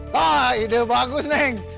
wah ide bagus neng